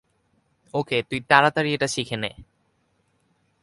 ওকে, তো তুই তাড়াতাড়ি এটা শিখে নে।